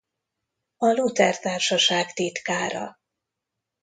A Luther Társaság titkára.